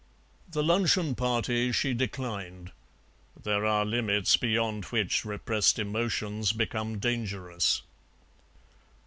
The luncheon party she declined; there are limits beyond which repressed emotions become dangerous.